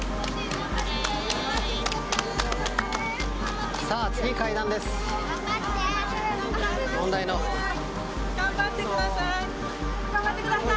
頑張ってください。